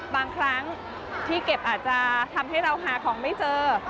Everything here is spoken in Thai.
บางครั้งที่เก็บอาจจะทำให้เราหาของไม่เจอ